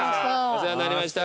お世話になりました。